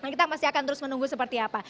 kita masih akan terus menunggu seperti apa